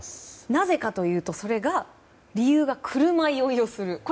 なぜかというと理由が車酔いをする。